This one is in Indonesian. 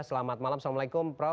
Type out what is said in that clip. selamat malam assalamualaikum prof